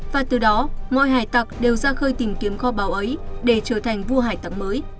và từ đó mọi hải tạc đều ra khơi tìm kiếm kho báo ấy để trở thành vua hải tạc mới